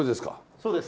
そうです。